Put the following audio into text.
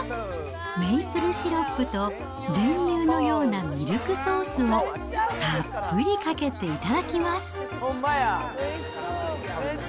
メープルシロップと練乳のようなミルクソースをたっぷりかけて頂きます。